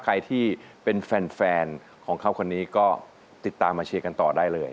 ใครที่เป็นแฟนของเขาคนนี้ก็ติดตามมาเชียร์กันต่อได้เลย